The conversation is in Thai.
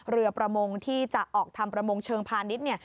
เรือประมงที่จะออกทำประมงเชิงพาณิชย์เนี่ย